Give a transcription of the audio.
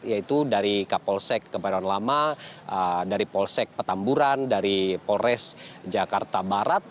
yaitu dari kapolsek kebayoran lama dari polsek petamburan dari polres jakarta barat